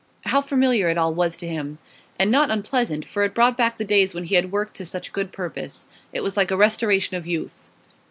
How familiar it all was to him! And not unpleasant, for it brought back the days when he had worked to such good purpose. It was like a restoration of youth.